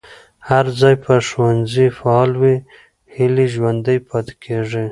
هر هغه ځای چې ښوونځي فعال وي، هیلې ژوندۍ پاتې کېږي.